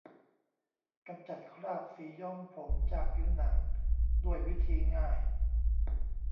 กำจัดคราบสีย้อมผมจากผิวหนังด้วยวิธีง่าย